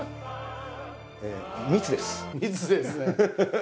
密ですね。